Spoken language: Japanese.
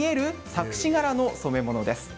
錯視柄の染め物です。